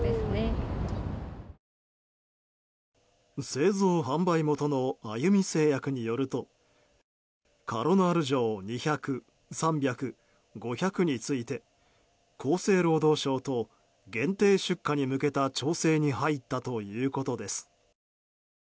製造・販売元のあゆみ製薬によるとカロナール錠２００・３００・５００について厚生労働省と限定出荷に向けた調整に入ったということです。